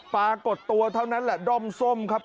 ปรากฏตัวเท่านั้นแหละด้อมส้มครับ